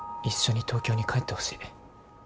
一緒に東京に帰ってほしい。